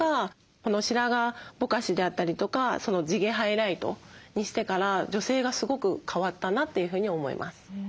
この白髪ぼかしであったりとか地毛ハイライトにしてから女性がすごく変わったなというふうに思います。